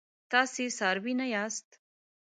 تاسي څاروي نه یاست.